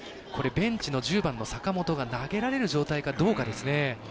ベンチの１０番の坂本が投げられる状態かどうかですね。